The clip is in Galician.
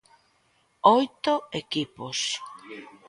Oito equipos.